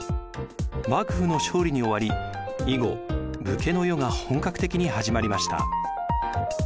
幕府の勝利に終わり以後武家の世が本格的に始まりました。